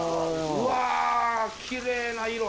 うわー、きれいな色。